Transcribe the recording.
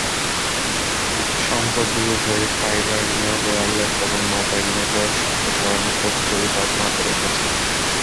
সম্প্রতি, উভয়েই ফাইবার নিয়োগ, ওয়্যারলেস এবং মোবাইল নেটওয়ার্ক সম্প্রসারণে প্রতিযোগিতা অব্যহত রেখেছে।